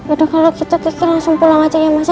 udah kalo gitu kiki langsung pulang aja ya mas